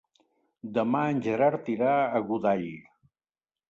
Demà en Gerard irà a Godall.